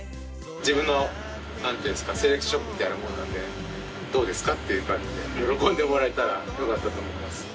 自分のセレクションみたいなもんなんでどうですかっていう感じで喜んでもらえたらよかったと思います。